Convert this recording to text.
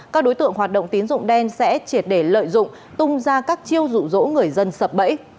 các đối tượng hoạt động tín dụng đen sẽ triệt để lợi dụng tung ra các chiêu dụ dỗ người dân sập bẫy